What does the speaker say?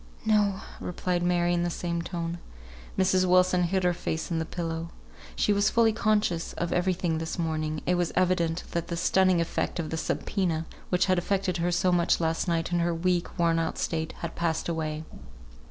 "No!" replied Mary, in the same tone. Mrs. Wilson hid her face in the pillow. She was fully conscious of every thing this morning; it was evident that the stunning effect of the subpoena, which had affected her so much last night in her weak, worn out state, had passed away.